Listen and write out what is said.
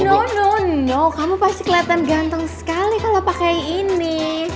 no no no kamu pasti keliatan ganteng sekali kalau pakai ini